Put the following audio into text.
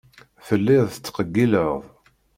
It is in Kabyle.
Telliḍ tettqeyyileḍ.